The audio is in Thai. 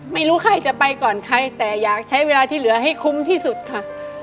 ไม่รู้ใครจะไปก่อนใครแต่อยากใช้เวลาที่เหลือให้คุ้มที่สุดค่ะ